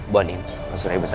buatin pak suraya besar